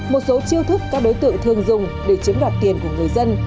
một số chiêu thức các đối tượng thường dùng để chiếm đoạt tiền của người dân